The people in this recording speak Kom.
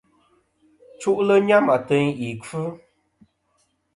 Chu'lɨ nyam ateyn ì kfɨ.